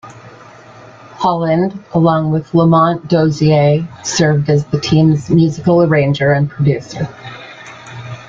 Holland, along with Lamont Dozier, served as the team's musical arranger and producer.